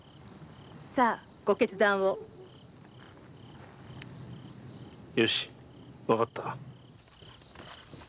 さご決断をよしわかった。